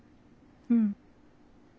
うん。